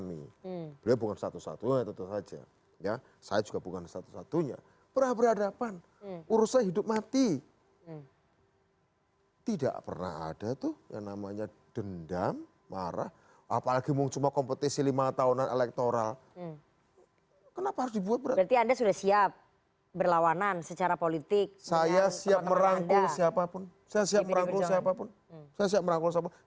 iya berlawanan dong